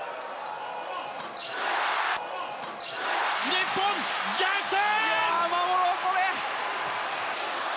日本、逆転！